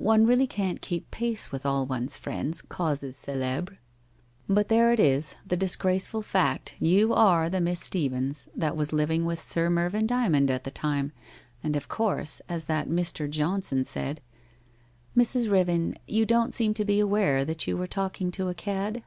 One really can't keep pace with all one's friends' causes celebres. But there it is, the disagraceful fact, you are the Miss Steevens that was living with Sir Mervyn Dymond at the time, and of course, as that Mr. Johnson said '' Mrs. Riven, you don't seem to be aware that you were talking to a cad